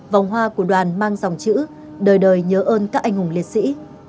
vòng hoa của đoàn mang dòng chữ đời đời nhớ ơn các anh hùng liệt sĩ